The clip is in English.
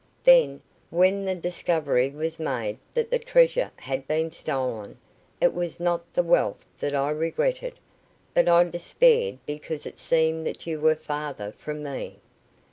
Then, when the discovery was made that the treasure had been stolen, it was not the wealth that I regretted, but I despaired because it seemed that you were farther from me.